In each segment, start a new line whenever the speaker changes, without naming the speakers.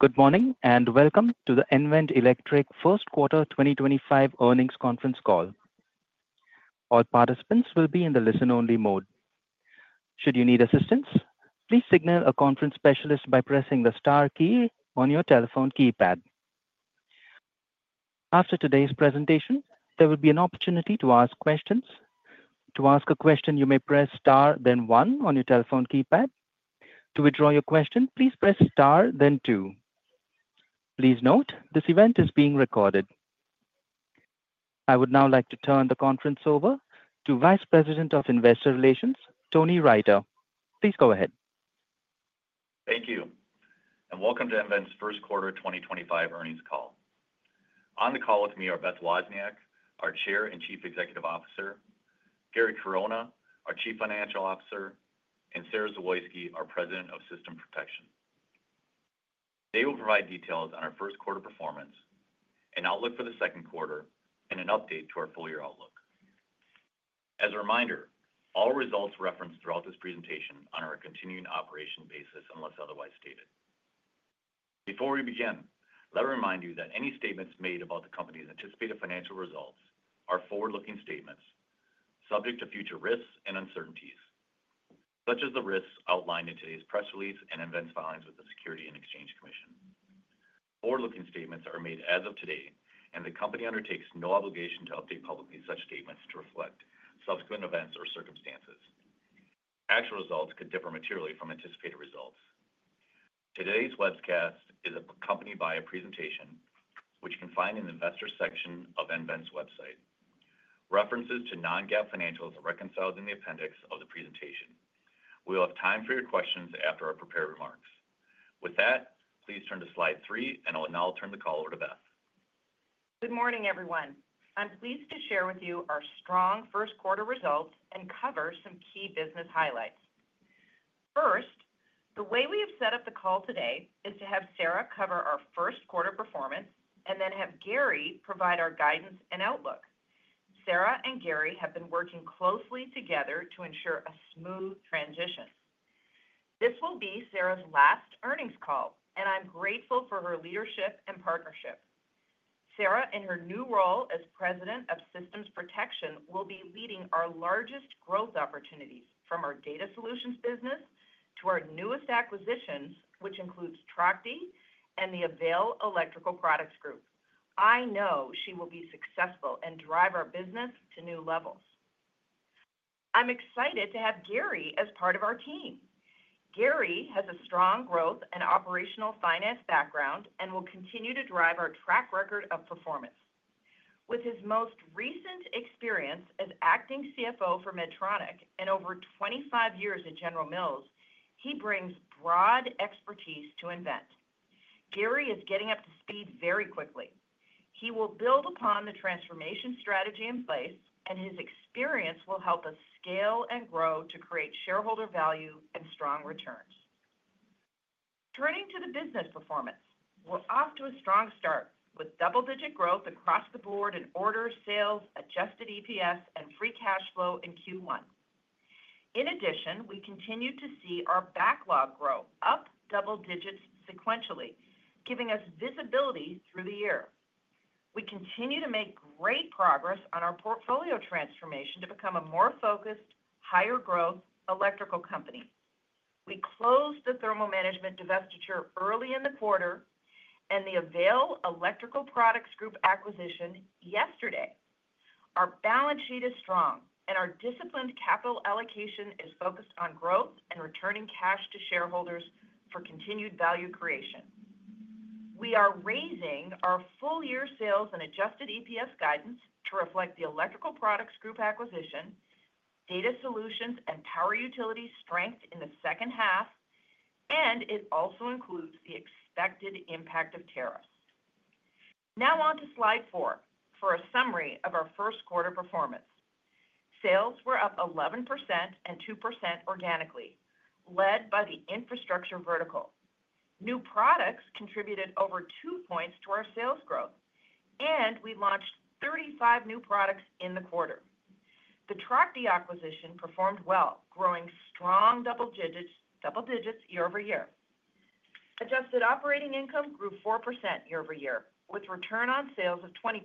Good morning and welcome to the nVent Electric First Quarter 2025 earnings conference call. All participants will be in the listen-only mode. Should you need assistance, please signal a conference specialist by pressing the star key on your telephone keypad. After today's presentation, there will be an opportunity to ask questions. To ask a question, you may press star, then one, on your telephone keypad. To withdraw your question, please press star, then two. Please note this event is being recorded. I would now like to turn the conference over to Vice President of Investor Relations, Tony Riter. Please go ahead.
Thank you and welcome to nVent's First Quarter 2025 earnings call. On the call with me are Beth Wozniak, our Chair and Chief Executive Officer; Gary Corona, our Chief Financial Officer; and Sara Zawoyski, our President of Systems Protection. They will provide details on our first quarter performance, an outlook for the second quarter, and an update to our full-year outlook. As a reminder, all results referenced throughout this presentation are on a continuing operation basis unless otherwise stated. Before we begin, let me remind you that any statements made about the company's anticipated financial results are forward-looking statements subject to future risks and uncertainties, such as the risks outlined in today's press release and nVent's filings with the Securities and Exchange Commission. Forward-looking statements are made as of today, and the company undertakes no obligation to update publicly such statements to reflect subsequent events or circumstances. Actual results could differ materially from anticipated results. Today's webcast is accompanied by a presentation which you can find in the Investor section of nVent's website. References to non-GAAP financials are reconciled in the appendix of the presentation. We will have time for your questions after our prepared remarks. With that, please turn to slide three, and I'll now turn the call over to Beth.
Good morning, everyone. I'm pleased to share with you our strong first quarter results and cover some key business highlights. First, the way we have set up the call today is to have Sara cover our first quarter performance and then have Gary provide our guidance and outlook. Sara and Gary have been working closely together to ensure a smooth transition. This will be Sara's last earnings call, and I'm grateful for her leadership and partnership. Sara, in her new role as President of Systems Protection, will be leading our largest growth opportunities from our data solutions business to our newest acquisitions, which includes Trachte and the Avail Electrical Products Group. I know she will be successful and drive our business to new levels. I'm excited to have Gary as part of our team. Gary has a strong growth and operational finance background and will continue to drive our track record of performance. With his most recent experience as acting CFO for Medtronic and over 25 years at General Mills, he brings broad expertise to nVent. Gary is getting up to speed very quickly. He will build upon the transformation strategy in place, and his experience will help us scale and grow to create shareholder value and strong returns. Turning to the business performance, we're off to a strong start with double-digit growth across the board in orders, sales, adjusted EPS, and free cash flow in Q1. In addition, we continue to see our backlog grow up double digits sequentially, giving us visibility through the year. We continue to make great progress on our portfolio transformation to become a more focused, higher-growth electrical company. We closed the thermal management divestiture early in the quarter and the Avail Electrical Products Group acquisition yesterday. Our balance sheet is strong, and our disciplined capital allocation is focused on growth and returning cash to shareholders for continued value creation. We are raising our full-year sales and adjusted EPS guidance to reflect the Electrical Products Group acquisition, data solutions, and power utility strength in the second half, and it also includes the expected impact of tariffs. Now on to slide four for a summary of our first quarter performance. Sales were up 11% and 2% organically, led by the infrastructure vertical. New products contributed over two points to our sales growth, and we launched 35 new products in the quarter. The Trachte acquisition performed well, growing strong double digits year-over-year. Adjusted operating income grew 4% year-over-year, with return on sales of 20%.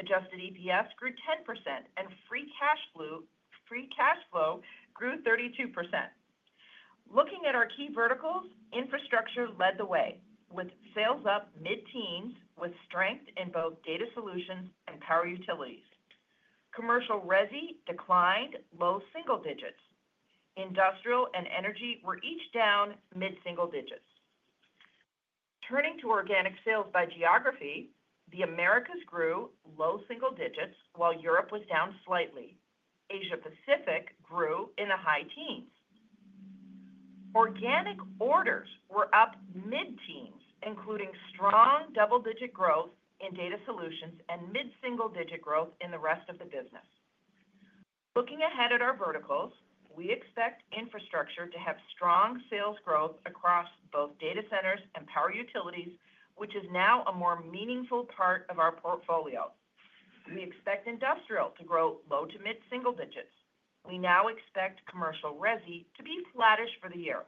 Adjusted EPS grew 10%, and free cash flow grew 32%. Looking at our key verticals, infrastructure led the way, with sales up mid-teens, with strength in both data solutions and power utilities. Commercial resi declined, low single digits. Industrial and energy were each down mid-single digits. Turning to organic sales by geography, the Americas grew low single digits, while Europe was down slightly. Asia-Pacific grew in the high teens. Organic orders were up mid-teens, including strong double-digit growth in data solutions and mid-single digit growth in the rest of the business. Looking ahead at our verticals, we expect infrastructure to have strong sales growth across both data centers and power utilities, which is now a more meaningful part of our portfolio. We expect industrial to grow low to mid-single digits. We now expect commercial resi to be flattish for the year.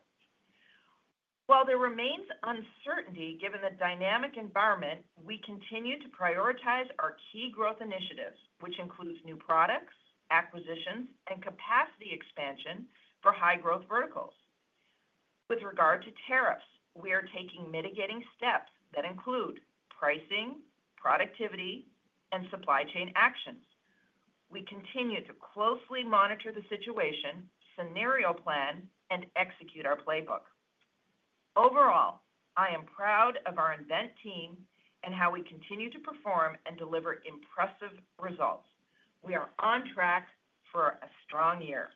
While there remains uncertainty given the dynamic environment, we continue to prioritize our key growth initiatives, which includes new products, acquisitions, and capacity expansion for high-growth verticals. With regard to tariffs, we are taking mitigating steps that include pricing, productivity, and supply chain actions. We continue to closely monitor the situation, scenario plan, and execute our playbook. Overall, I am proud of our nVent team and how we continue to perform and deliver impressive results. We are on track for a strong year.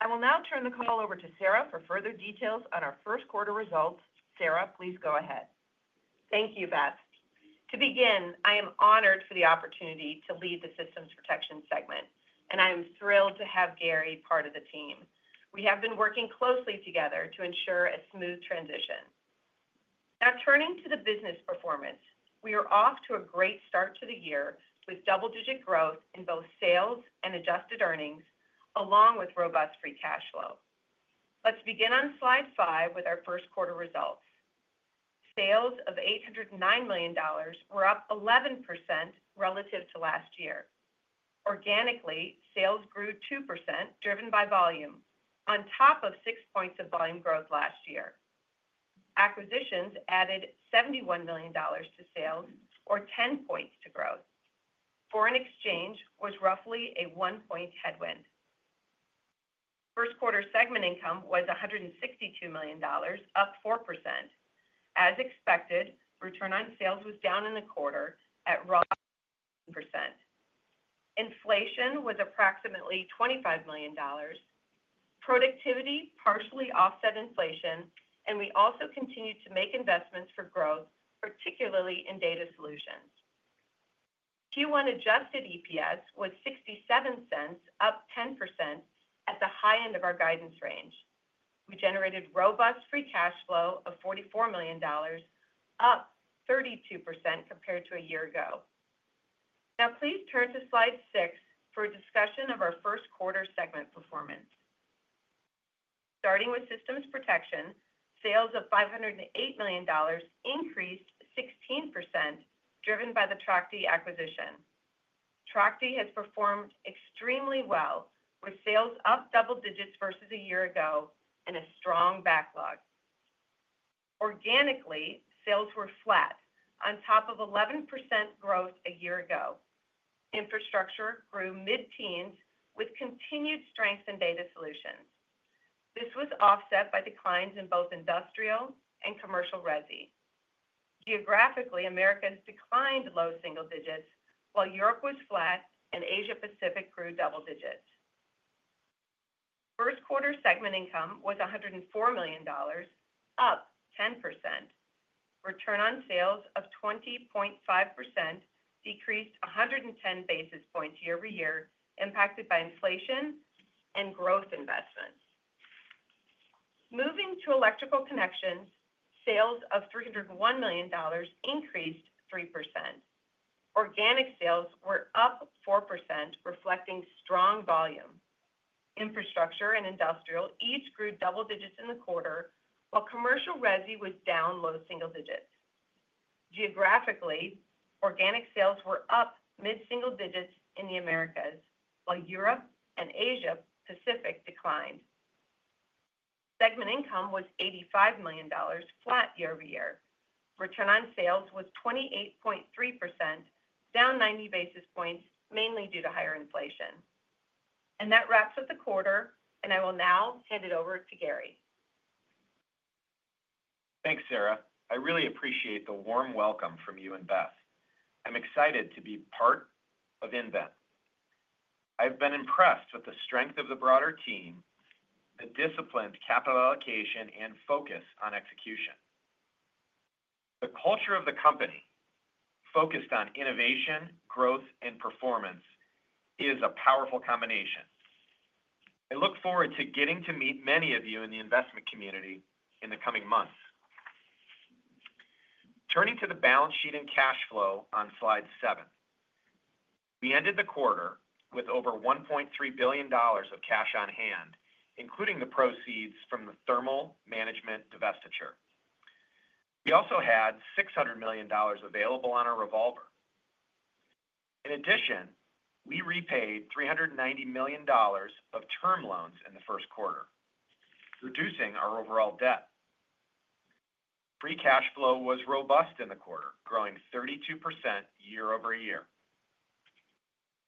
I will now turn the call over to Sara for further details on our first quarter results. Sara, please go ahead.
Thank you, Beth. To begin, I am honored for the opportunity to lead the Systems Protection segment, and I am thrilled to have Gary part of the team. We have been working closely together to ensure a smooth transition. Now turning to the business performance, we are off to a great start to the year with double-digit growth in both sales and adjusted earnings, along with robust free cash flow. Let's begin on slide five with our first quarter results. Sales of $809 million were up 11% relative to last year. Organically, sales grew 2%, driven by volume, on top of six points of volume growth last year. Acquisitions added $71 million to sales, or 10 points to growth. Foreign exchange was roughly a one-point headwind. First quarter segment income was $162 million, up 4%. As expected, return on sales was down in the quarter at roughly 1%. Inflation was approximately $25 million. Productivity partially offset inflation, and we also continued to make investments for growth, particularly in data solutions. Q1 adjusted EPS was 67 cents, up 10% at the high end of our guidance range. We generated robust free cash flow of $44 million, up 32% compared to a year ago. Now please turn to slide six for a discussion of our first quarter segment performance. Starting with Systems Protection, sales of $508 million increased 16%, driven by the Trachte acquisition. Trachte has performed extremely well, with sales up double digits versus a year ago and a strong backlog. Organically, sales were flat, on top of 11% growth a year ago. Infrastructure grew mid-teens, with continued strength in data solutions. This was offset by declines in both industrial and commercial resi. Geographically, Americas declined low single digits, while Europe was flat and Asia-Pacific grew double digits. First quarter segment income was $104 million, up 10%. Return on sales of 20.5% decreased 110 basis points year-over-year, impacted by inflation and growth investments. Moving to Electrical Connections, sales of $301 million increased 3%. Organic sales were up 4%, reflecting strong volume. Infrastructure and industrial each grew double digits in the quarter, while commercial resi was down low single digits. Geographically, organic sales were up mid-single digits in the Americas, while Europe and Asia-Pacific declined. Segment income was $85 million, flat year-over-year. Return on sales was 28.3%, down 90 basis points, mainly due to higher inflation. That wraps up the quarter, and I will now hand it over to Gary.
Thanks, Sara. I really appreciate the warm welcome from you and Beth. I'm excited to be part of nVent. I've been impressed with the strength of the broader team, the disciplined capital allocation, and focus on execution. The culture of the company, focused on innovation, growth, and performance, is a powerful combination. I look forward to getting to meet many of you in the investment community in the coming months. Turning to the balance sheet and cash flow on slide seven, we ended the quarter with over $1.3 billion of cash on hand, including the proceeds from the thermal management divestiture. We also had $600 million available on our revolver. In addition, we repaid $390 million of term loans in the first quarter, reducing our overall debt. Free cash flow was robust in the quarter, growing 32% year-over-year.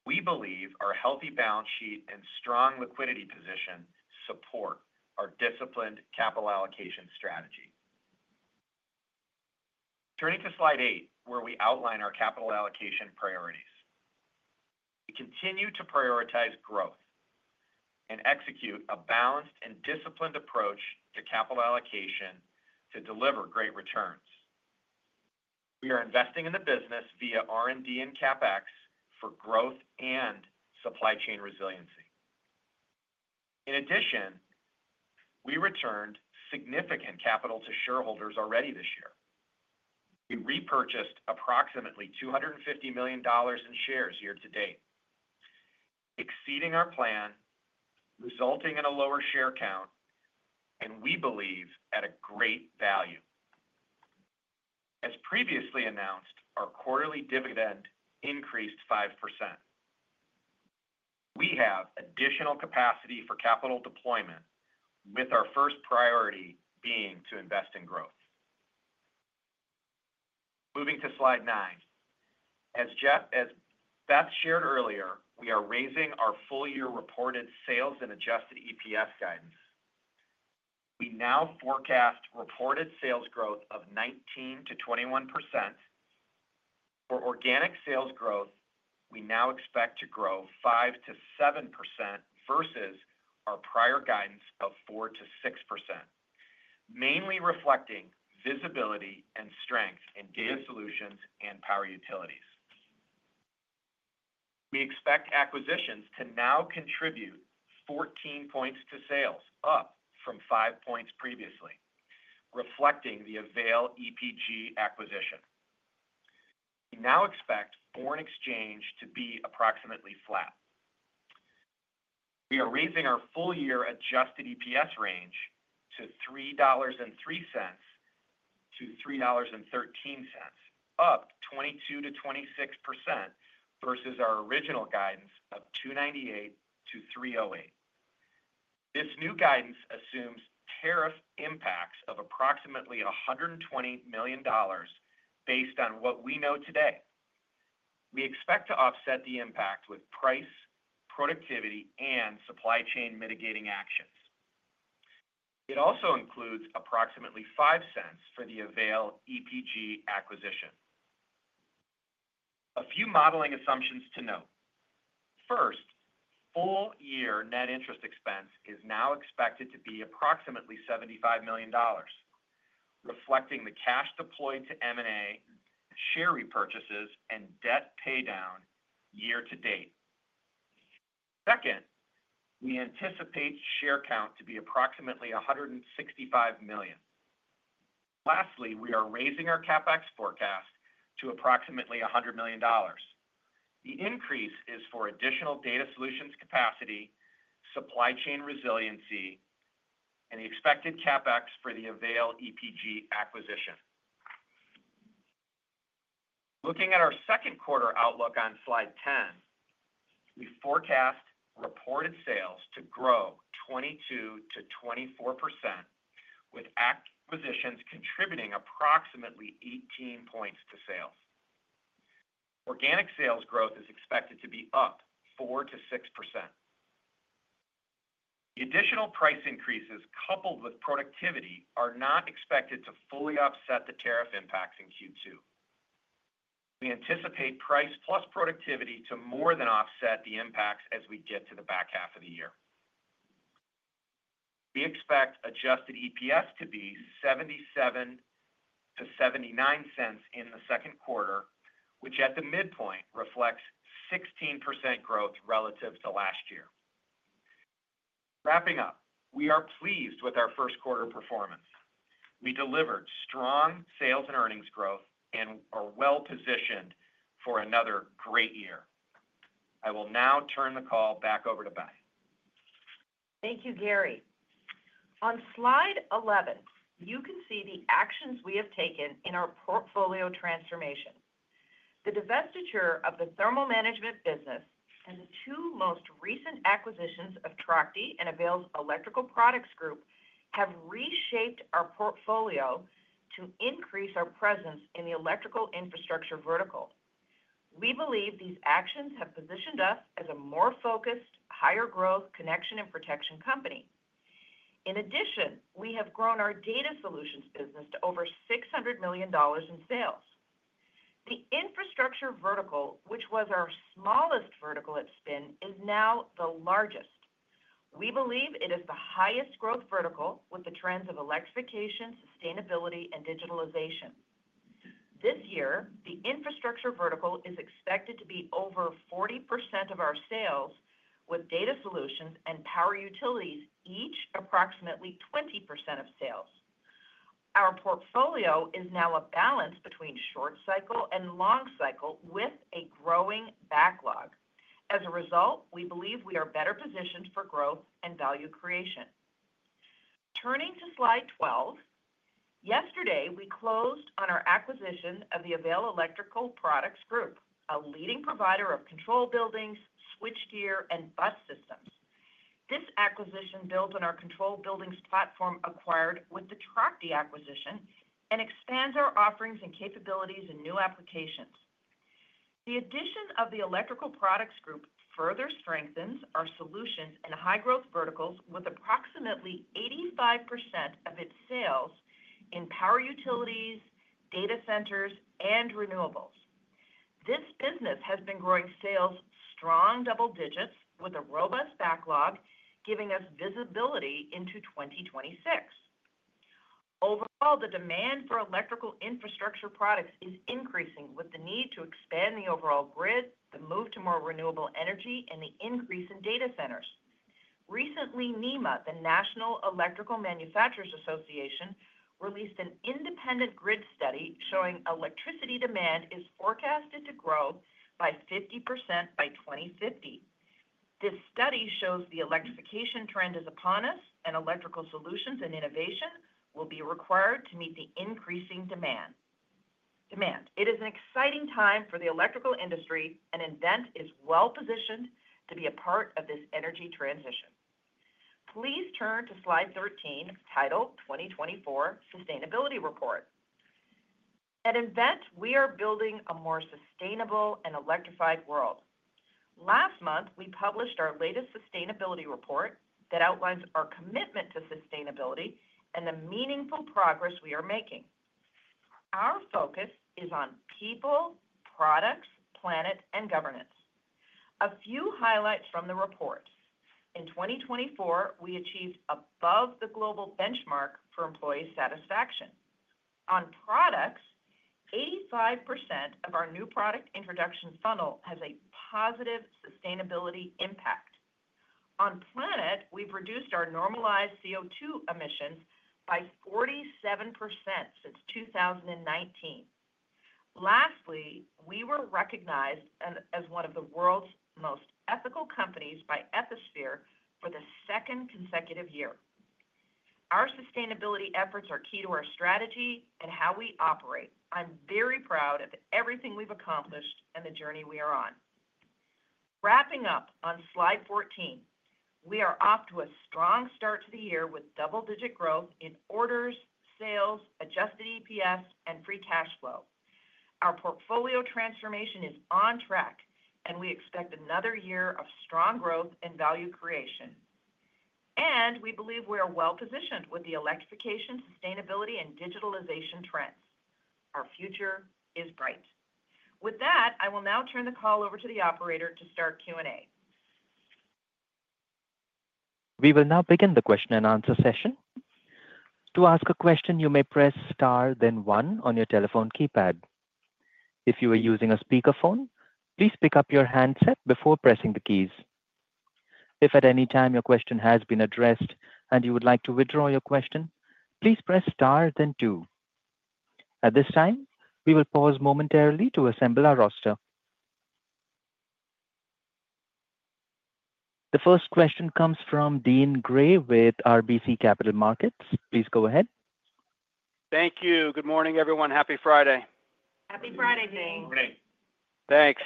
We believe our healthy balance sheet and strong liquidity position support our disciplined capital allocation strategy. Turning to slide eight, where we outline our capital allocation priorities. We continue to prioritize growth and execute a balanced and disciplined approach to capital allocation to deliver great returns. We are investing in the business via R&D and CapEx for growth and supply chain resiliency. In addition, we returned significant capital to shareholders already this year. We repurchased approximately $250 million in shares year to date, exceeding our plan, resulting in a lower share count, and we believe at a great value. As previously announced, our quarterly dividend increased 5%. We have additional capacity for capital deployment, with our first priority being to invest in growth. Moving to slide nine. As Beth shared earlier, we are raising our full-year reported sales and adjusted EPS guidance. We now forecast reported sales growth of 19% to 21%. For organic sales growth, we now expect to grow 5% to 7% versus our prior guidance of 4% to 6%, mainly reflecting visibility and strength in data solutions and power utilities. We expect acquisitions to now contribute 14 percentage points to sales, up from 5 percentage points previously, reflecting the Avail Electrical Products Group acquisition. We now expect foreign exchange to be approximately flat. We are raising our full-year adjusted EPS range to $3.03-$3.13, up 22% to 26% versus our original guidance of $2.98-$3.08. This new guidance assumes tariff impacts of approximately $120 million based on what we know today. We expect to offset the impact with price, productivity, and supply chain mitigating actions. It also includes approximately 5 cents for the Avail Electrical Products Group acquisition. A few modeling assumptions to note. First, full-year net interest expense is now expected to be approximately $75 million, reflecting the cash deployed to M&A, share repurchases, and debt paydown year to date. Second, we anticipate share count to be approximately 165 million. Lastly, we are raising our CapEx forecast to approximately $100 million. The increase is for additional data solutions capacity, supply chain resiliency, and the expected CapEx for the Avail EPG acquisition. Looking at our second quarter outlook on Slide 10, we forecast reported sales to grow 22%-24%, with acquisitions contributing approximately 18 percentage points to sales. Organic sales growth is expected to be up 4%-6%. The additional price increases coupled with productivity are not expected to fully offset the tariff impacts in Q2. We anticipate price plus productivity to more than offset the impacts as we get to the back half of the year. We expect adjusted EPS to be $0.77-$0.79 in the second quarter, which at the midpoint reflects 16% growth relative to last year. Wrapping up, we are pleased with our first quarter performance. We delivered strong sales and earnings growth and are well positioned for another great year. I will now turn the call back over to Beth.
Thank you, Gary. On Slide 11, you can see the actions we have taken in our portfolio transformation. The divestiture of the thermal management business and the two most recent acquisitions of Trachte and Avail Electrical Products Group have reshaped our portfolio to increase our presence in the electrical infrastructure vertical. We believe these actions have positioned us as a more focused, higher growth connection and protection company. In addition, we have grown our data solutions business to over $600 million in sales. The infrastructure vertical, which was our smallest vertical at spin, is now the largest. We believe it is the highest growth vertical with the trends of electrification, sustainability, and digitalization. This year, the infrastructure vertical is expected to be over 40% of our sales, with data solutions and power utilities each approximately 20% of sales. Our portfolio is now a balance between short cycle and long cycle with a growing backlog. As a result, we believe we are better positioned for growth and value creation. Turning to Slide 12, yesterday we closed on our acquisition of the Avail Electrical Products Group, a leading provider of control buildings, switchgear, and bus systems. This acquisition builds on our control buildings platform acquired with the Trachte acquisition and expands our offerings and capabilities in new applications. The addition of the Electrical Products Group further strengthens our solutions in high growth verticals with approximately 85% of its sales in power utilities, data centers, and renewables. This business has been growing sales strong double digits with a robust backlog, giving us visibility into 2026. Overall, the demand for electrical infrastructure products is increasing with the need to expand the overall grid, the move to more renewable energy, and the increase in data centers. Recently, NEMA, the National Electrical Manufacturers Association, released an independent grid study showing electricity demand is forecasted to grow by 50% by 2050. This study shows the electrification trend is upon us, and electrical solutions and innovation will be required to meet the increasing demand. It is an exciting time for the electrical industry, and nVent is well positioned to be a part of this energy transition. Please turn to Slide 13, titled 2024 Sustainability Report. At nVent, we are building a more sustainable and electrified world. Last month, we published our latest sustainability report that outlines our commitment to sustainability and the meaningful progress we are making. Our focus is on people, products, planet, and governance. A few highlights from the report. In 2024, we achieved above the global benchmark for employee satisfaction. On products, 85% of our new product introduction funnel has a positive sustainability impact. On planet, we have reduced our normalized CO2 emissions by 47% since 2019. Lastly, we were recognized as one of the world's most ethical companies by Ethisphere for the second consecutive year. Our sustainability efforts are key to our strategy and how we operate. I am very proud of everything we have accomplished and the journey we are on. Wrapping up on Slide 14, we are off to a strong start to the year with double-digit growth in orders, sales, adjusted EPS, and free cash flow. Our portfolio transformation is on track, and we expect another year of strong growth and value creation. We believe we are well positioned with the electrification, sustainability, and digitalization trends. Our future is bright. With that, I will now turn the call over to the operator to start Q&A.
We will now begin the question and answer session. To ask a question, you may press Star, then one on your telephone keypad. If you are using a speakerphone, please pick up your handset before pressing the keys. If at any time your question has been addressed and you would like to withdraw your question, please press Star, then two. At this time, we will pause momentarily to assemble our roster. The first question comes from Deane Dray with RBC Capital Markets. Please go ahead.
Thank you. Good morning, everyone. Happy Friday.
Happy Friday, Deane.
Good morning.
Thanks.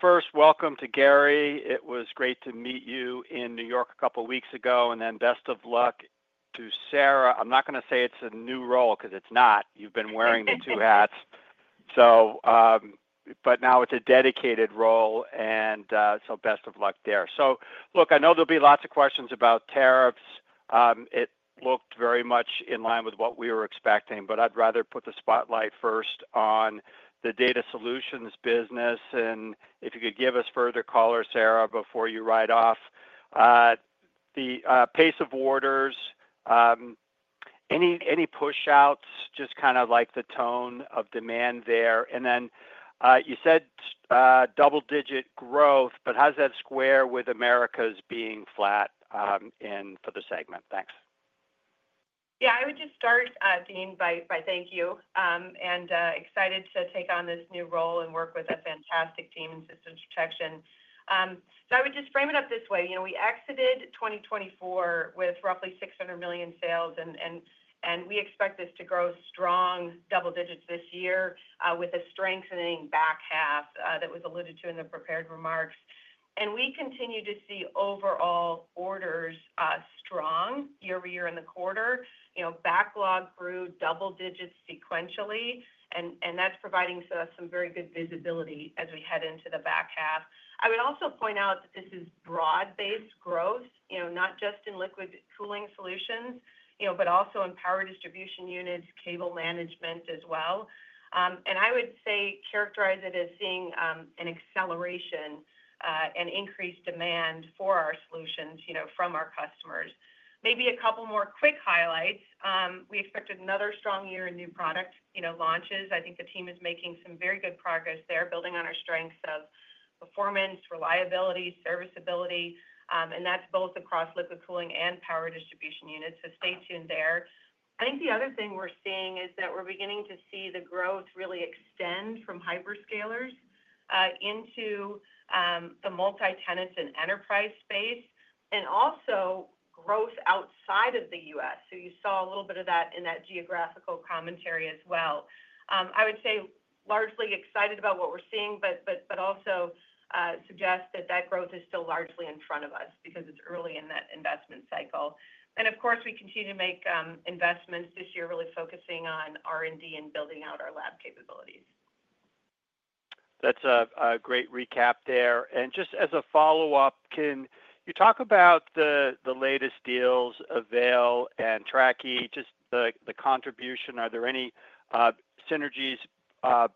First, welcome to Gary. It was great to meet you in New York a couple of weeks ago, and best of luck to Sara. I'm not going to say it's a new role because it's not. You've been wearing the two hats, but now it's a dedicated role, and so best of luck there. I know there'll be lots of questions about tariffs. It looked very much in line with what we were expecting, but I'd rather put the spotlight first on the data solutions business. If you could give us further color, Sara, before you ride off. The pace of orders, any push-outs, just kind of like the tone of demand there. You said double-digit growth, but how does that square with Americas being flat for the segment? Thanks.
Yeah, I would just start, Dean, by thank you. Excited to take on this new role and work with a fantastic team in Systems Protection. I would just frame it up this way. We exited 2024 with roughly $600 million sales, and we expect this to grow strong double digits this year with a strengthening back half that was alluded to in the prepared remarks. We continue to see overall orders strong year-over-year in the quarter. Backlog grew double digits sequentially, and that's providing us some very good visibility as we head into the back half. I would also point out that this is broad-based growth, not just in liquid cooling solutions, but also in power distribution units, cable management as well. I would say characterize it as seeing an acceleration and increased demand for our solutions from our customers. Maybe a couple more quick highlights. We expected another strong year in new product launches. I think the team is making some very good progress there, building on our strengths of performance, reliability, serviceability. That is both across liquid cooling and power distribution units, so stay tuned there. I think the other thing we are seeing is that we are beginning to see the growth really extend from hyperscalers into the multi-tenants and enterprise space, and also growth outside of the U.S. You saw a little bit of that in that geographical commentary as well. I would say largely excited about what we are seeing, but also suggest that that growth is still largely in front of us because it is early in that investment cycle. Of course, we continue to make investments this year, really focusing on R&D and building out our lab capabilities.
That's a great recap there. Just as a follow-up, can you talk about the latest deals Avail and Trachte, just the contribution? Are there any synergies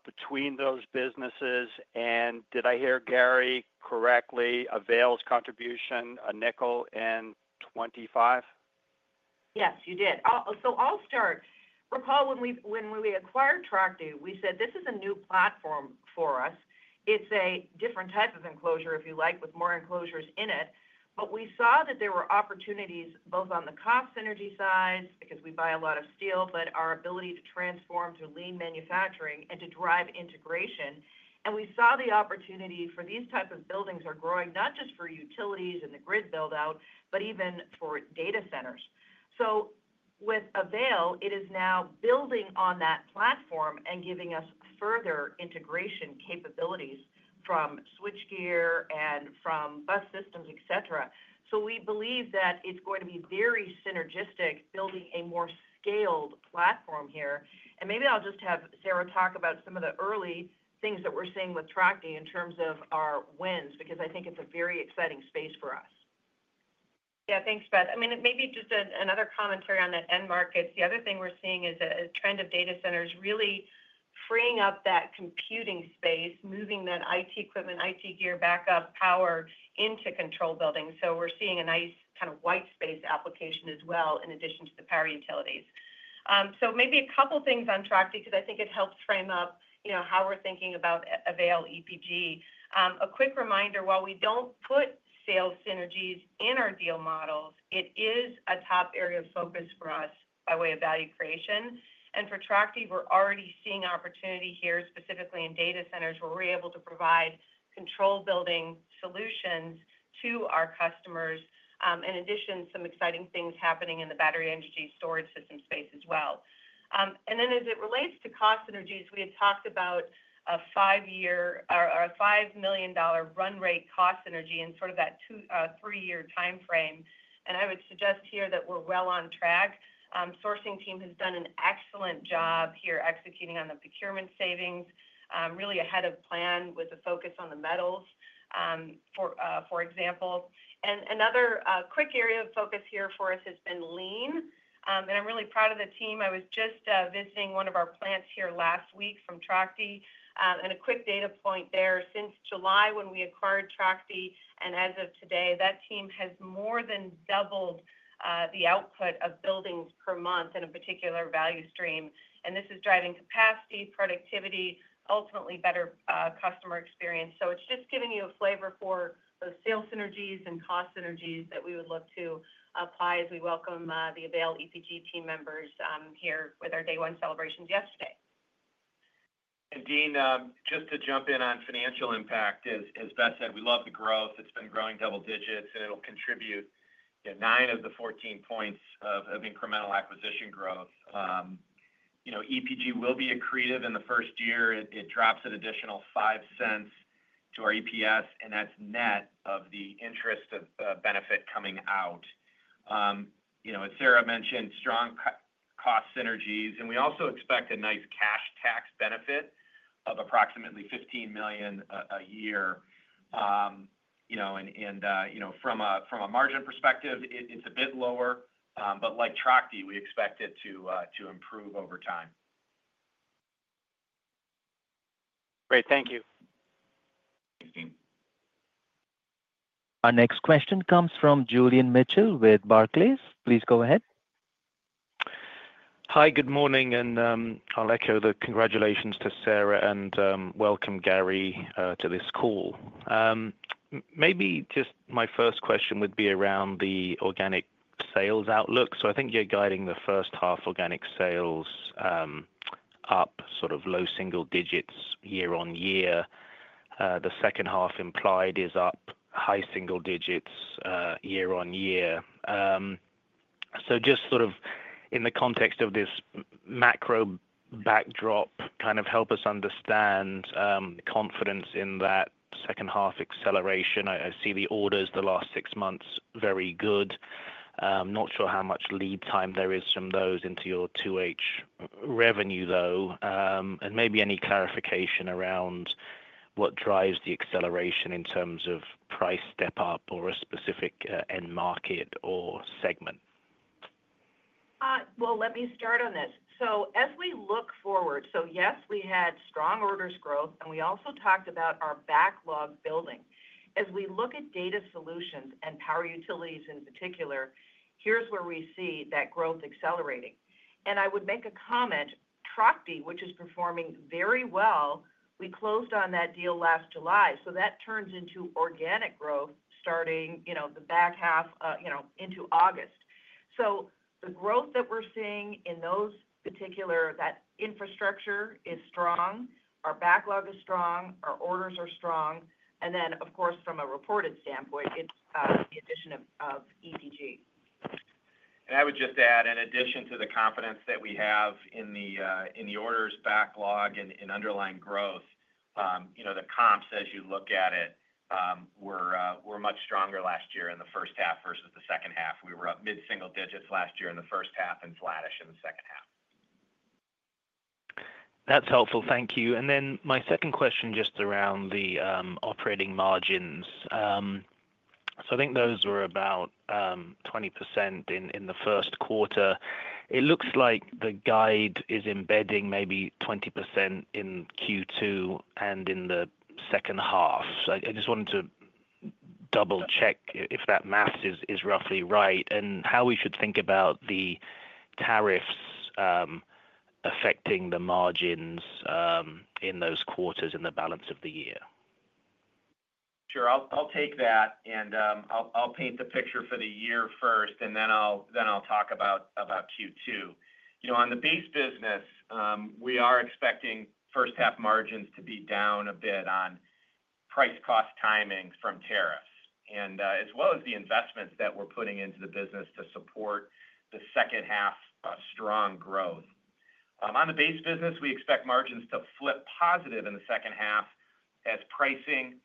between those businesses? Did I hear Gary correctly? Avail's contribution, a nickel and 25?
Yes, you did. I'll start. Recall when we acquired Trachte, we said, "This is a new platform for us." It's a different type of enclosure, if you like, with more enclosures in it. We saw that there were opportunities both on the cost synergy side because we buy a lot of steel, but our ability to transform to lean manufacturing and to drive integration. We saw the opportunity for these types of buildings are growing not just for utilities and the grid buildout, but even for data centers. With Avail, it is now building on that platform and giving us further integration capabilities from switchgear and from bus systems, etc. We believe that it's going to be very synergistic building a more scaled platform here. Maybe I'll just have Sara talk about some of the early things that we're seeing with Trachte in terms of our wins because I think it's a very exciting space for us.
Yeah, thanks, Beth. I mean, maybe just another commentary on that end market. The other thing we're seeing is a trend of data centers really freeing up that computing space, moving that IT equipment, IT gear, backup power into control buildings. We're seeing a nice kind of white space application as well in addition to the power utilities. Maybe a couple of things on Trachte because I think it helps frame up how we're thinking about Avail EPG. A quick reminder, while we don't put sales synergies in our deal models, it is a top area of focus for us by way of value creation. For Trachte, we're already seeing opportunity here specifically in data centers where we're able to provide control building solutions to our customers. In addition, some exciting things happening in the battery energy storage system space as well. As it relates to cost synergies, we had talked about a five-year or a $5 million run rate cost synergy in sort of that three-year timeframe. I would suggest here that we're well on track. The sourcing team has done an excellent job here executing on the procurement savings, really ahead of plan with a focus on the metals, for example. Another quick area of focus here for us has been lean. I'm really proud of the team. I was just visiting one of our plants here last week from Trachte. A quick data point there, since July when we acquired Trachte and as of today, that team has more than doubled the output of buildings per month in a particular value stream. This is driving capacity, productivity, ultimately better customer experience. It is just giving you a flavor for those sales synergies and cost synergies that we would love to apply as we welcome the Avail Electrical Products Group team members here with our day one celebrations yesterday.
Dean, just to jump in on financial impact, as Beth said, we love the growth. It's been growing double digits, and it'll contribute nine of the 14 points of incremental acquisition growth. EPG will be accretive in the first year. It drops an additional $0.05 to our EPS, and that's net of the interest of benefit coming out. As Sara mentioned, strong cost synergies. We also expect a nice cash tax benefit of approximately $15 million a year. From a margin perspective, it's a bit lower, but like Trachte, we expect it to improve over time.
Great. Thank you.
Thanks, Dean.
Our next question comes from Julian Mitchell with Barclays. Please go ahead.
Hi, good morning. I'll echo the congratulations to Sara and welcome Gary to this call. Maybe just my first question would be around the organic sales outlook. I think you're guiding the first half organic sales up sort of low single digits year on year. The second half implied is up high single digits year on year. Just in the context of this macro backdrop, kind of help us understand confidence in that second half acceleration. I see the orders the last six months very good. Not sure how much lead time there is from those into your 2H revenue, though. Maybe any clarification around what drives the acceleration in terms of price step-up or a specific end market or segment?
Let me start on this. As we look forward, yes, we had strong orders growth, and we also talked about our backlog building. As we look at data solutions and power utilities in particular, here's where we see that growth accelerating. I would make a comment, Trachte, which is performing very well, we closed on that deal last July. That turns into organic growth starting the back half into August. The growth that we're seeing in those particular, that infrastructure is strong, our backlog is strong, our orders are strong. Of course, from a reported standpoint, it's the addition of EPG.
I would just add, in addition to the confidence that we have in the orders backlog and underlying growth, the comps, as you look at it, were much stronger last year in the first half versus the second half. We were up mid-single digits last year in the first half and flattish in the second half.
That's helpful. Thank you. My second question just around the operating margins. I think those were about 20% in the first quarter. It looks like the guide is embedding maybe 20% in Q2 and in the second half. I just wanted to double-check if that math is roughly right and how we should think about the tariffs affecting the margins in those quarters in the balance of the year.
Sure. I'll take that, and I'll paint the picture for the year first, and then I'll talk about Q2. On the base business, we are expecting first-half margins to be down a bit on price-cost timing from tariffs, as well as the investments that we're putting into the business to support the second half strong growth. On the base business, we expect margins to flip positive in the second half as pricing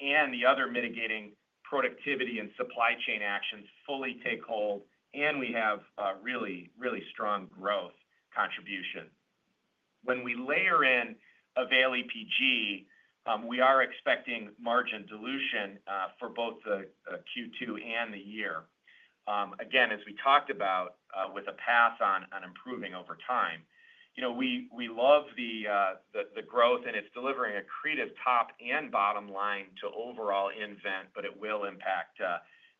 and the other mitigating productivity and supply chain actions fully take hold, and we have really, really strong growth contribution. When we layer in Avail EPG, we are expecting margin dilution for both the Q2 and the year. Again, as we talked about with a path on improving over time, we love the growth, and it's delivering accretive top and bottom line to overall nVent, but it will impact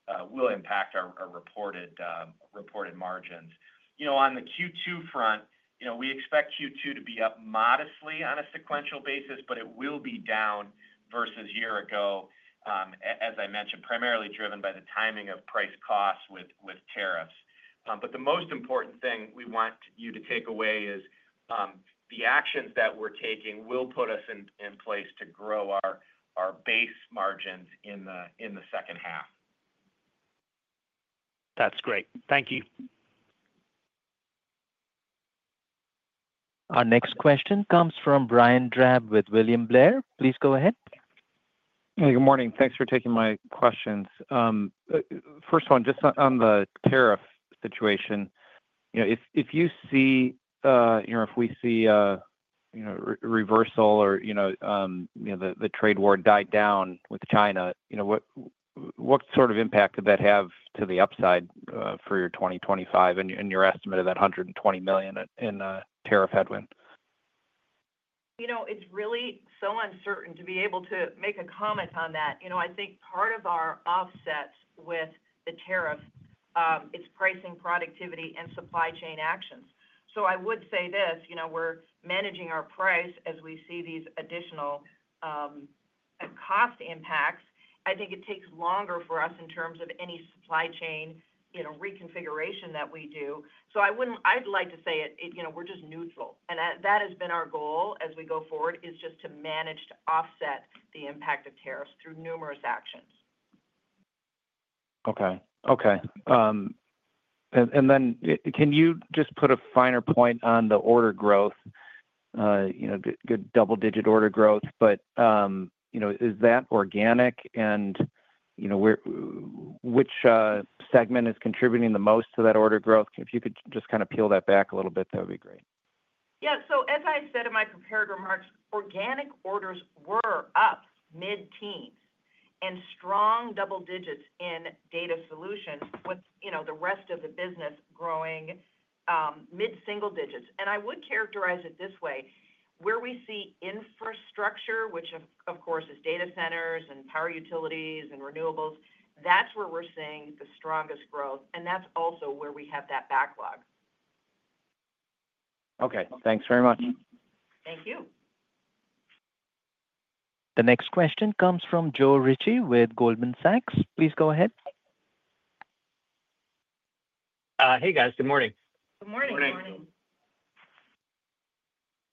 our reported margins. On the Q2 front, we expect Q2 to be up modestly on a sequential basis, but it will be down versus a year ago, as I mentioned, primarily driven by the timing of price costs with tariffs. The most important thing we want you to take away is the actions that we're taking will put us in place to grow our base margins in the second half.
That's great. Thank you.
Our next question comes from Brian Drab with William Blair. Please go ahead.
Hey, good morning. Thanks for taking my questions. First one, just on the tariff situation, if you see or if we see a reversal or the trade war die down with China, what sort of impact could that have to the upside for your 2025 and your estimate of that $120 million in tariff headwind?
It's really so uncertain to be able to make a comment on that. I think part of our offset with the tariff, it's pricing, productivity, and supply chain actions. I would say this, we're managing our price as we see these additional cost impacts. I think it takes longer for us in terms of any supply chain reconfiguration that we do. I'd like to say we're just neutral. That has been our goal as we go forward, is just to manage to offset the impact of tariffs through numerous actions.
Okay. Okay. Can you just put a finer point on the order growth, good double-digit order growth, but is that organic? Which segment is contributing the most to that order growth? If you could just kind of peel that back a little bit, that would be great.
Yeah. As I said in my prepared remarks, organic orders were up mid-teens and strong double digits in data solutions with the rest of the business growing mid-single digits. I would characterize it this way. Where we see infrastructure, which of course is data centers and power utilities and renewables, that is where we are seeing the strongest growth. That is also where we have that backlog.
Okay. Thanks very much.
Thank you.
The next question comes from Joe Ritchie with Goldman Sachs. Please go ahead.
Hey, guys. Good morning.
Good morning.
Good morning.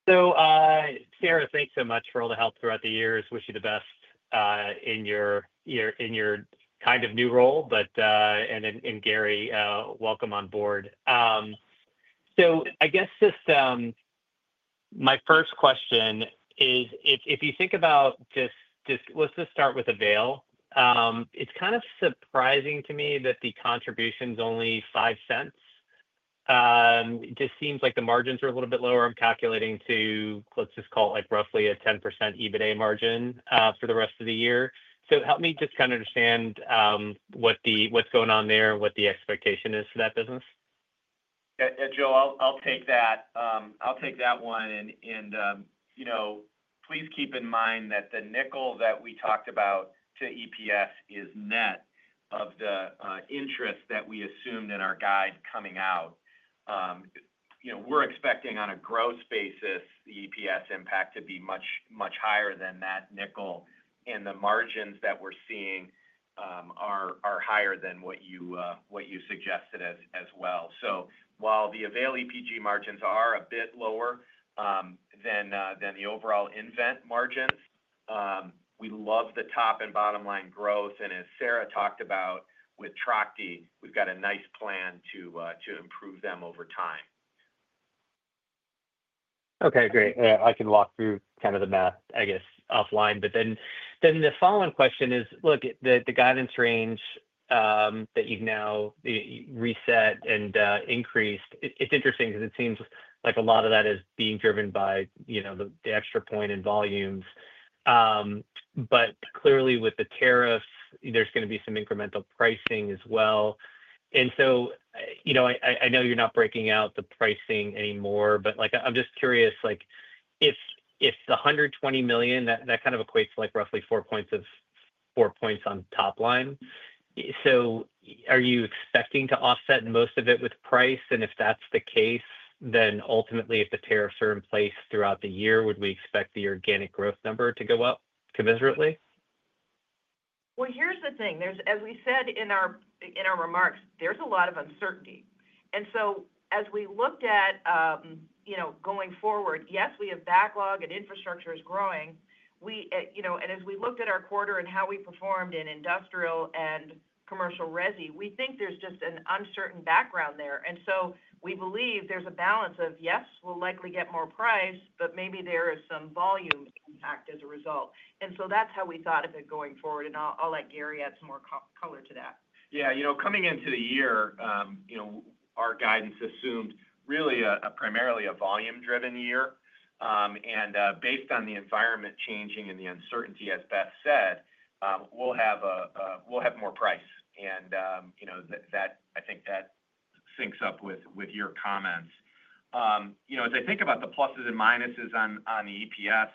Good morning. Sara, thanks so much for all the help throughout the years. Wish you the best in your kind of new role. Gary, welcome on board. I guess just my first question is, if you think about just let's just start with Avail. It's kind of surprising to me that the contribution's only 5 cents. It just seems like the margins are a little bit lower. I'm calculating to, let's just call it roughly a 10% EBITDA margin for the rest of the year. Help me just kind of understand what's going on there and what the expectation is for that business?
Yeah. Joe, I'll take that. I'll take that one. Please keep in mind that the nickel that we talked about to EPS is net of the interest that we assumed in our guide coming out. We're expecting on a growth basis, the EPS impact to be much higher than that nickel. The margins that we're seeing are higher than what you suggested as well. While the Avail EPG margins are a bit lower than the overall nVent margins, we love the top and bottom line growth. As Sara talked about with Trachte, we've got a nice plan to improve them over time.
Okay. Great. I can walk through kind of the math, I guess, offline. The following question is, look, the guidance range that you've now reset and increased, it's interesting because it seems like a lot of that is being driven by the extra point in volumes. Clearly, with the tariffs, there's going to be some incremental pricing as well. I know you're not breaking out the pricing anymore, but I'm just curious, if the $120 million, that kind of equates to roughly four points on top line. Are you expecting to offset most of it with price? If that's the case, then ultimately, if the tariffs are in place throughout the year, would we expect the organic growth number to go up commensurately?
Here is the thing. As we said in our remarks, there is a lot of uncertainty. As we looked at going forward, yes, we have backlog and infrastructure is growing. As we looked at our quarter and how we performed in industrial and commercial resi, we think there is just an uncertain background there. We believe there is a balance of, yes, we will likely get more price, but maybe there is some volume impact as a result. That is how we thought of it going forward. I will let Gary add some more color to that.
Yeah. Coming into the year, our guidance assumed really primarily a volume-driven year. Based on the environment changing and the uncertainty, as Beth said, we'll have more price. I think that syncs up with your comments. As I think about the pluses and minuses on the EPS,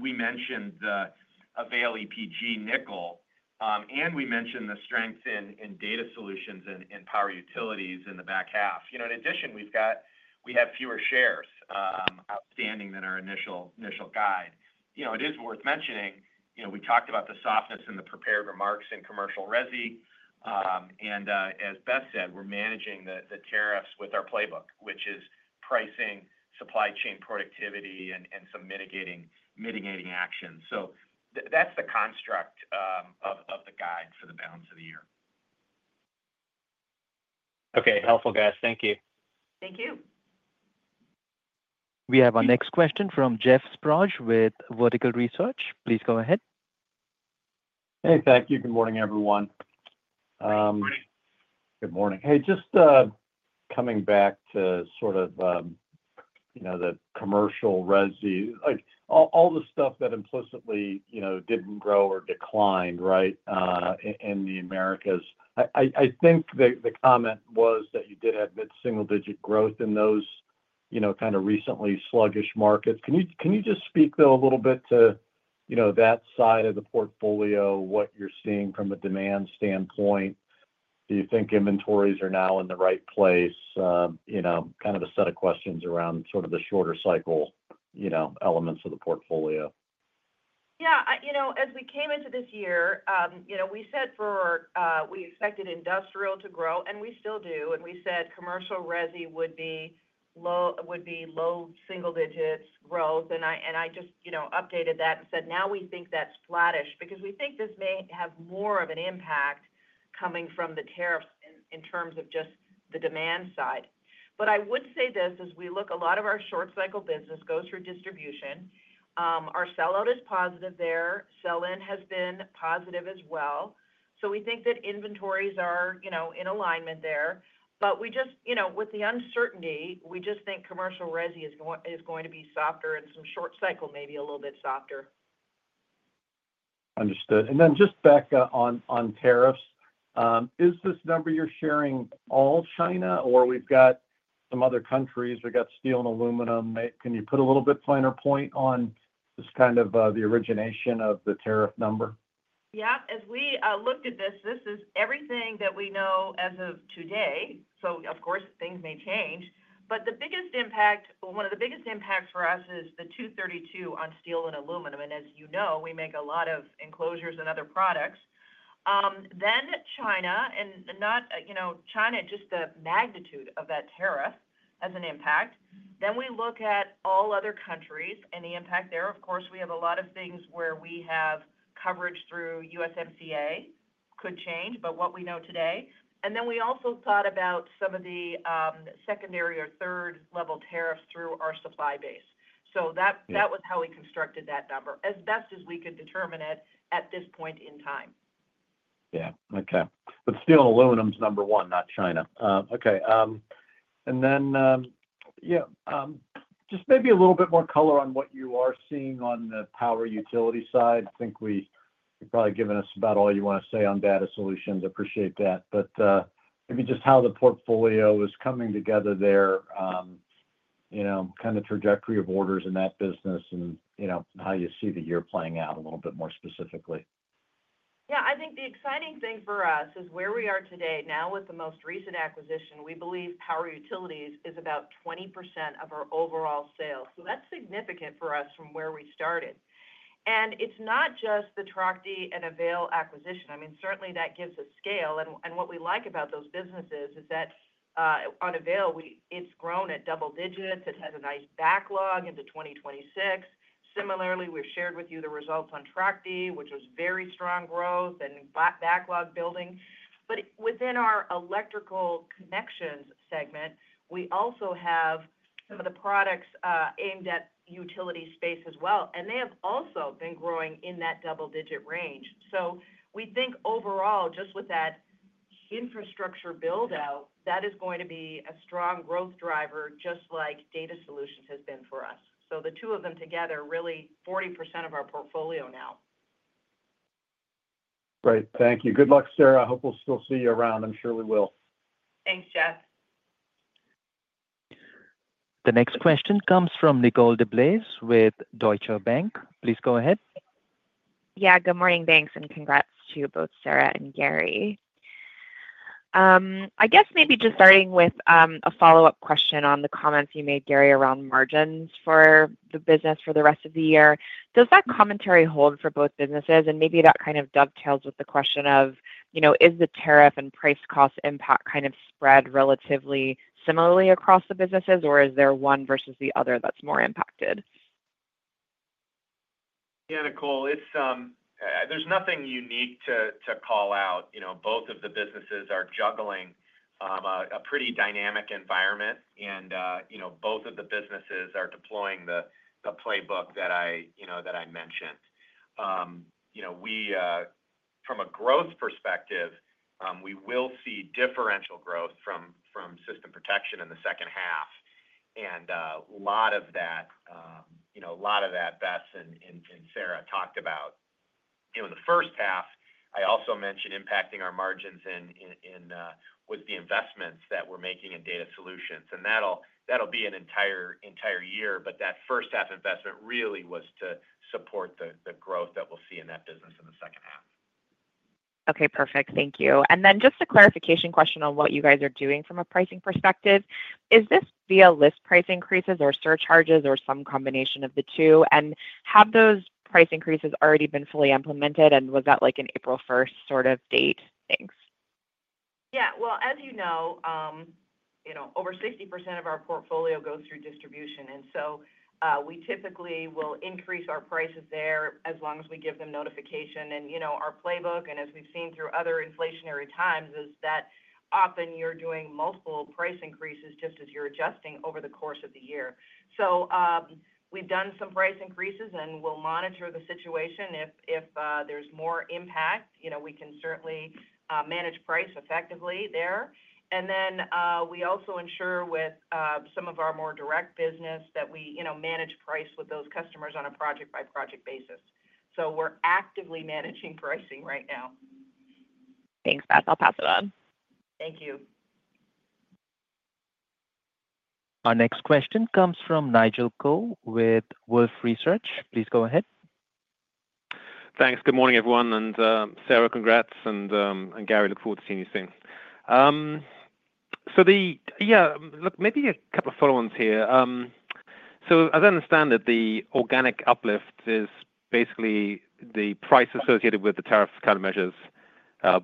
we mentioned the Avail EPG nickel, and we mentioned the strength in data solutions and power utilities in the back half. In addition, we have fewer shares outstanding than our initial guide. It is worth mentioning, we talked about the softness in the prepared remarks in commercial resi. As Beth said, we're managing the tariffs with our playbook, which is pricing, supply chain productivity, and some mitigating actions. That's the construct of the guide for the balance of the year.
Okay. Helpful, guys. Thank you.
Thank you.
We have our next question from Jeff Sprague with Vertical Research. Please go ahead.
Hey, thank you. Good morning, everyone.
Good morning.
Good morning. Hey, just coming back to sort of the commercial resi, all the stuff that implicitly did not grow or declined, right, in the Americas. I think the comment was that you did have mid-single digit growth in those kind of recently sluggish markets. Can you just speak, though, a little bit to that side of the portfolio, what you are seeing from a demand standpoint? Do you think inventories are now in the right place? Kind of a set of questions around sort of the shorter cycle elements of the portfolio.
Yeah. As we came into this year, we said we expected industrial to grow, and we still do. We said commercial resi would be low single digits growth. I just updated that and said, "Now we think that's flattish," because we think this may have more of an impact coming from the tariffs in terms of just the demand side. I would say this as we look, a lot of our short-cycle business goes through distribution. Our sellout is positive there. Sell-in has been positive as well. We think that inventories are in alignment there. With the uncertainty, we just think commercial resi is going to be softer and some short-cycle maybe a little bit softer.
Understood. Just back on tariffs, is this number you're sharing all China, or we've got some other countries? We've got steel and aluminum. Can you put a little bit finer point on just kind of the origination of the tariff number?
Yeah. As we looked at this, this is everything that we know as of today. Of course, things may change. One of the biggest impacts for us is the 232 on steel and aluminum. As you know, we make a lot of enclosures and other products. China and not China, just the magnitude of that tariff as an impact. We look at all other countries and the impact there. Of course, we have a lot of things where we have coverage through USMCA, could change, but what we know today. We also thought about some of the secondary or third-level tariffs through our supply base. That was how we constructed that number, as best as we could determine it at this point in time.
Yeah. Okay. But steel and aluminum is number one, not China. Okay. Yeah, just maybe a little bit more color on what you are seeing on the power utility side. I think you've probably given us about all you want to say on data solutions. Appreciate that. Maybe just how the portfolio is coming together there, kind of trajectory of orders in that business, and how you see the year playing out a little bit more specifically.
Yeah. I think the exciting thing for us is where we are today. Now, with the most recent acquisition, we believe power utilities is about 20% of our overall sales. That is significant for us from where we started. It is not just the Trachte and Avail acquisition. I mean, certainly that gives us scale. What we like about those businesses is that on Avail, it has grown at double digits. It has a nice backlog into 2026. Similarly, we have shared with you the results on Trachte, which was very strong growth and backlog building. Within our Electrical Connections segment, we also have some of the products aimed at utility space as well. They have also been growing in that double-digit range. We think overall, just with that infrastructure build-out, that is going to be a strong growth driver, just like data solutions has been for us. The two of them together really 40% of our portfolio now.
Great. Thank you. Good luck, Sara. I hope we'll still see you around. I'm sure we will.
Thanks, Jeff.
The next question comes from Nicole DeBlase with Deutsche Bank. Please go ahead.
Yeah. Good morning, thanks. And congrats to both Sara and Gary. I guess maybe just starting with a follow-up question on the comments you made, Gary, around margins for the business for the rest of the year. Does that commentary hold for both businesses? Maybe that kind of dovetails with the question of, is the tariff and price cost impact kind of spread relatively similarly across the businesses, or is there one versus the other that's more impacted?
Yeah, Nicole, there's nothing unique to call out. Both of the businesses are juggling a pretty dynamic environment. Both of the businesses are deploying the playbook that I mentioned. From a growth perspective, we will see differential growth from Systems Protection in the second half. A lot of that, a lot of that, Beth and Sara talked about in the first half. I also mentioned impacting our margins with the investments that we're making in data solutions. That'll be an entire year. That first-half investment really was to support the growth that we'll see in that business in the second half.
Okay. Perfect. Thank you. Just a clarification question on what you guys are doing from a pricing perspective. Is this via list price increases or surcharges or some combination of the two? Have those price increases already been fully implemented? Was that an April 1st sort of date? Thanks.
Yeah. As you know, over 60% of our portfolio goes through distribution. We typically will increase our prices there as long as we give them notification. Our playbook, and as we've seen through other inflationary times, is that often you're doing multiple price increases just as you're adjusting over the course of the year. We've done some price increases, and we'll monitor the situation. If there's more impact, we can certainly manage price effectively there. We also ensure with some of our more direct business that we manage price with those customers on a project-by-project basis. We're actively managing pricing right now.
Thanks, Beth. I'll pass it on.
Thank you.
Our next question comes from Nigel Coe with Wolfe Research. Please go ahead.
Thanks. Good morning, everyone. And Sara, congrats. And Gary, look forward to seeing you soon. Yeah, look, maybe a couple of follow-ons here. As I understand it, the organic uplift is basically the price associated with the tariffs kind of measures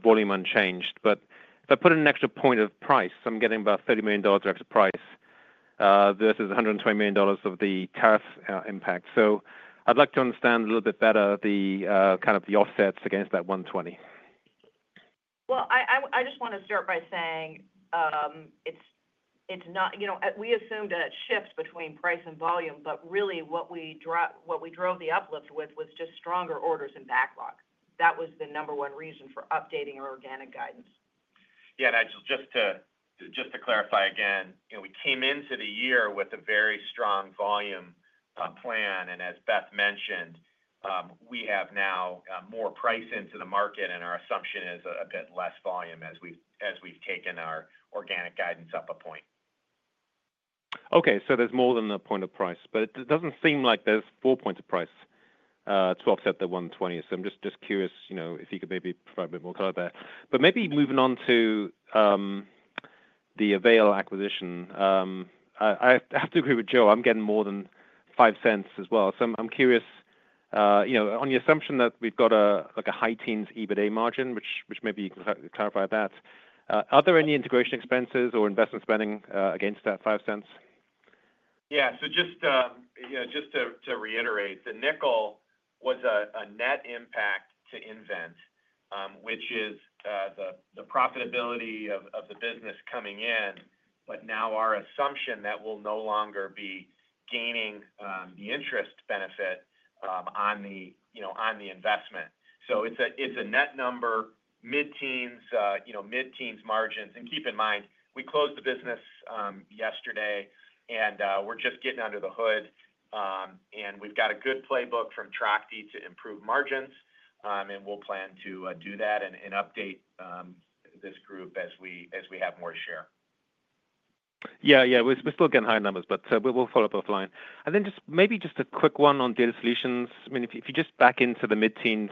volume unchanged. If I put in an extra point of price, I'm getting about $30 million of extra price versus $120 million of the tariff impact. I'd like to understand a little bit better kind of the offsets against that 120.
I just want to start by saying it's not we assumed a shift between price and volume, but really what we drove the uplift with was just stronger orders and backlog. That was the number one reason for updating our organic guidance.
Yeah. Nigel, just to clarify again, we came into the year with a very strong volume plan. As Beth mentioned, we have now more price into the market, and our assumption is a bit less volume as we've taken our organic guidance up a point.
Okay. There's more than a point of price. It doesn't seem like there's four points of price to offset the $120. I'm just curious if you could maybe provide a bit more color there. Maybe moving on to the Avail acquisition, I have to agree with Joe. I'm getting more than $0.05 as well. I'm curious, on your assumption that we've got a high teens EBITDA margin, which maybe you can clarify, are there any integration expenses or investment spending against that $0.05?
Yeah. Just to reiterate, the nickel was a net impact to nVent, which is the profitability of the business coming in, but now our assumption that we'll no longer be gaining the interest benefit on the investment. It's a net number, mid-teens margins. Keep in mind, we closed the business yesterday, and we're just getting under the hood. We've got a good playbook from Trachte to improve margins. We'll plan to do that and update this group as we have more to share.
Yeah. Yeah. We're still getting high numbers, but we'll follow up offline. Maybe just a quick one on data solutions. I mean, if you just back into the mid-teens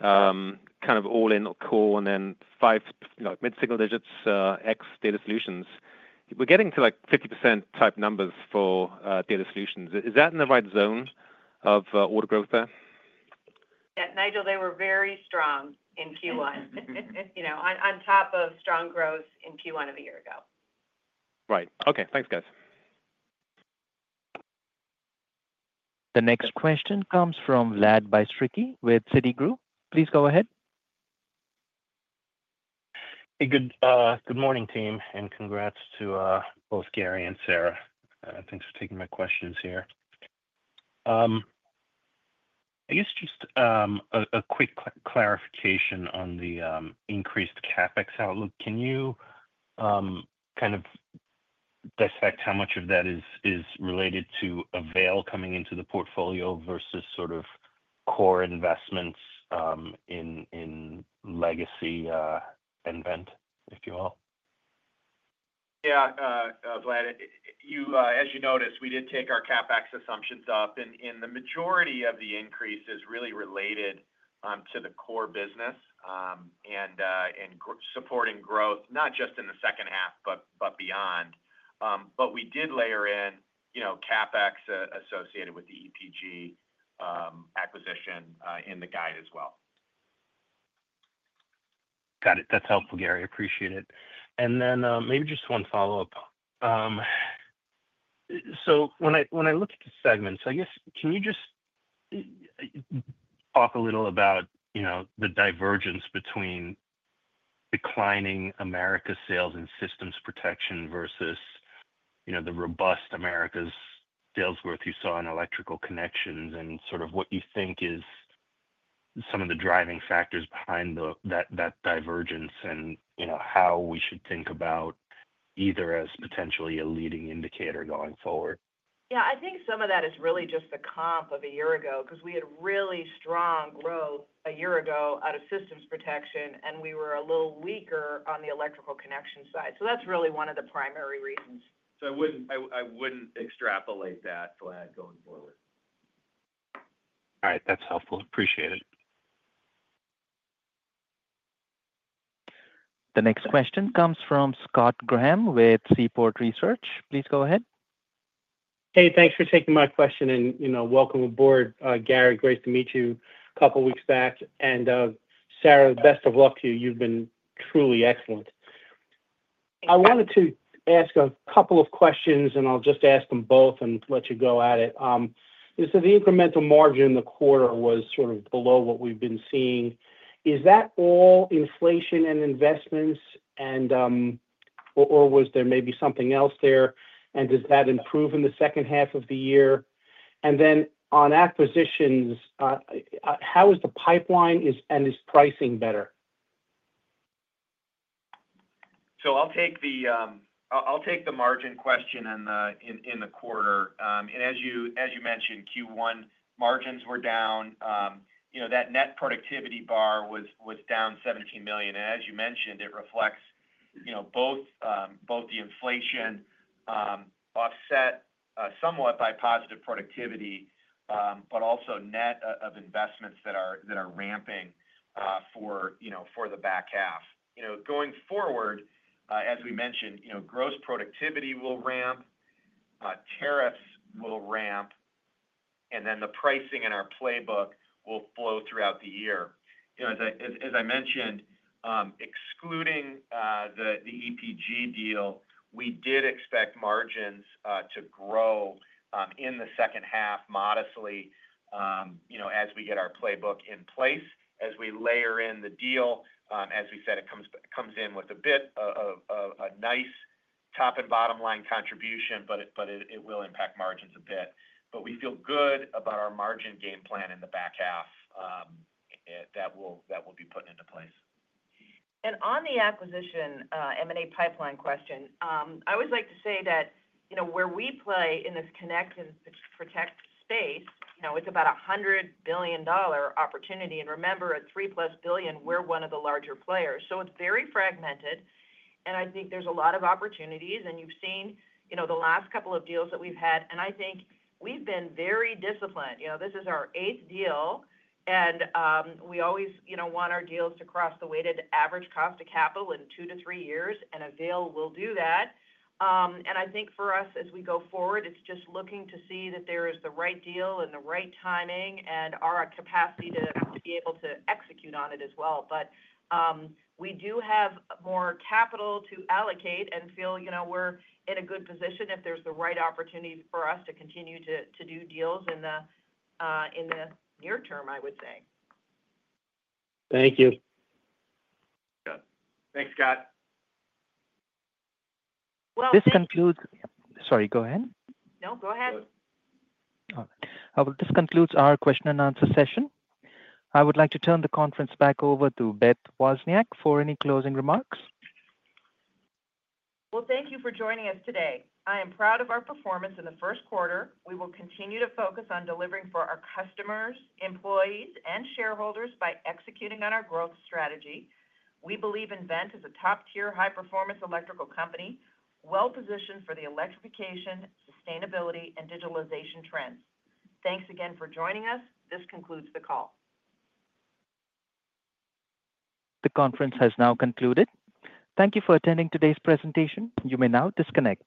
kind of all in core and then mid-single digits X data solutions, we're getting to 50% type numbers for data solutions. Is that in the right zone of order growth there?
Yeah. Nigel, they were very strong in Q1, on top of strong growth in Q1 of a year ago.
Right. Okay. Thanks, guys.
The next question comes from Vlad Bystricky with Citigroup. Please go ahead.
Hey, good morning, team. Congrats to both Gary and Sara. Thanks for taking my questions here. I guess just a quick clarification on the increased CapEx. Can you kind of dissect how much of that is related to Avail coming into the portfolio versus sort of core investments in legacy nVent, if you will?
Yeah. Vlad, as you noticed, we did take our CapEx assumptions up. The majority of the increase is really related to the core business and supporting growth, not just in the second half, but beyond. We did layer in CapEx associated with the EPG acquisition in the guide as well.
Got it. That's helpful, Gary. Appreciate it. Maybe just one follow-up. When I look at the segments, I guess can you just talk a little about the divergence between declining Americas sales and Systems Protection versus the robust Americas sales growth you saw in Electrical Connections and sort of what you think is some of the driving factors behind that divergence and how we should think about either as potentially a leading indicator going forward?
Yeah. I think some of that is really just the comp of a year ago because we had really strong growth a year ago out of Systems Protection, and we were a little weaker on the electrical connections side. That is really one of the primary reasons.
I wouldn't extrapolate that, Vlad, going forward.
All right. That's helpful. Appreciate it.
The next question comes from Scott Graham with Seaport Research. Please go ahead.
Hey, thanks for taking my question and welcome aboard, Gary. Great to meet you a couple of weeks back. And Sara, best of luck to you. You've been truly excellent. I wanted to ask a couple of questions, and I'll just ask them both and let you go at it. The incremental margin in the quarter was sort of below what we've been seeing. Is that all inflation and investments, or was there maybe something else there? Does that improve in the second half of the year? On acquisitions, how is the pipeline and is pricing better?
I'll take the margin question in the quarter. As you mentioned, Q1 margins were down. That net productivity bar was down $17 million. As you mentioned, it reflects both the inflation offset somewhat by positive productivity, but also net of investments that are ramping for the back half. Going forward, as we mentioned, gross productivity will ramp, tariffs will ramp, and then the pricing in our playbook will flow throughout the year. As I mentioned, excluding the EPG deal, we did expect margins to grow in the second half modestly as we get our playbook in place, as we layer in the deal. As we said, it comes in with a bit of a nice top and bottom line contribution, but it will impact margins a bit. We feel good about our margin game plan in the back half that we'll be putting into place.
On the acquisition M&A pipeline question, I always like to say that where we play in this Connection & Protection space, it's about a $100 billion opportunity. Remember, at 3+ billion, we're one of the larger players. It is very fragmented. I think there's a lot of opportunities. You have seen the last couple of deals that we've had. I think we've been very disciplined. This is our eighth deal. We always want our deals to cross the weighted average cost of capital in two to three years. Avail will do that. I think for us, as we go forward, it's just looking to see that there is the right deal and the right timing and our capacity to be able to execute on it as well. We do have more capital to allocate and feel we're in a good position if there's the right opportunity for us to continue to do deals in the near term, I would say.
Thank you.
Good. Thanks, Scott.
Thank you.
This concludes—sorry, go ahead.
No, go ahead.
This concludes our question and answer session. I would like to turn the conference back over to Beth Wozniak for any closing remarks.
Thank you for joining us today. I am proud of our performance in the first quarter. We will continue to focus on delivering for our customers, employees, and shareholders by executing on our growth strategy. We believe nVent is a top-tier high-performance electrical company well-positioned for the electrification, sustainability, and digitalization trends. Thanks again for joining us. This concludes the call.
The conference has now concluded. Thank you for attending today's presentation. You may now disconnect.